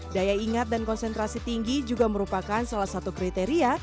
daya ingat dan konsentrasi tinggi juga merupakan salah satu kriteria